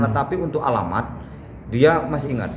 tapi untuk alamat dia masih ingat